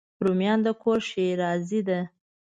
رومیان د کور ښېرازي ده